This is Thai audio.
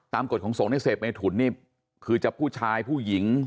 กฎของสงฆ์ในเสพเมถุนนี่คือจะผู้ชายผู้หญิง